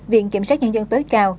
viện kiểm soát nhân dân tới cao